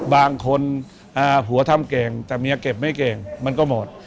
บางคนผัวทำเก่งแต่เมียเก็บไม่เก่งมันก็หมด